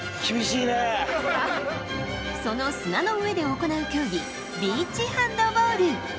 その砂の上で行う競技ビーチハンドボール。